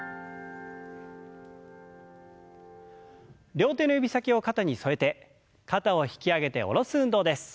両手の指先を肩に添えて肩を引き上げて下ろす運動です。